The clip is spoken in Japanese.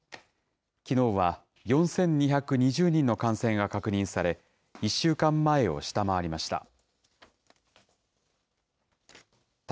きのうは４２２０人の感染が確認され、１週間前を下回りました。